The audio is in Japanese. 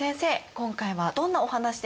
今回はどんなお話でしょうか？